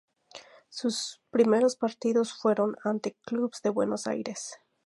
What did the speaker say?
Sus primeros partidos fueron ante clubes de Buenos Aires.